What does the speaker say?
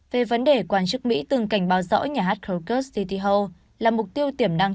về vấn đề quan chức mỹ từng cảnh báo rõ nhà hát kyrgyzstytihol là mục tiêu tiểm năng